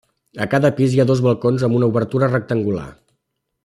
A cada pis hi ha dos balcons amb una obertura rectangular.